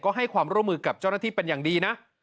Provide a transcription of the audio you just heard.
ก็ให้ความร่วมมือกับเจ้าหน้าที่เป็นอย่างดีนะ